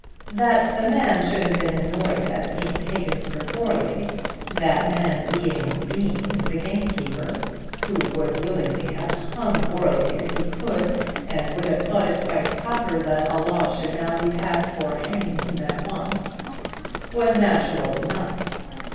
That the man should have been annoyed at being taken for Goarly, that man being Bean the gamekeeper who would willingly have hung Goarly if he could, and would have thought it quite proper that a law should be now passed for hanging him at once, was natural enough.